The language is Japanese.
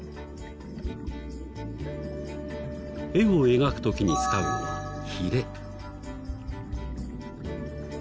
絵を描く時に使うのはヒレ。